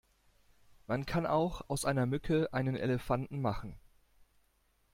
Man kann auch aus einer Mücke einen Elefanten machen!